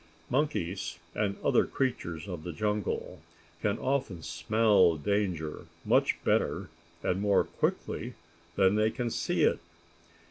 Monkeys, and other creatures of the jungle, can often smell danger much better and more quickly than they can see it.